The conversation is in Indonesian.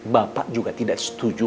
bapak juga tidak setuju